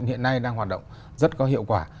hiện nay đang hoạt động rất có hiệu quả